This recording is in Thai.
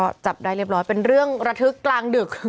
ก็จับได้เรียบร้อยเป็นเรื่องระทึกกลางดึก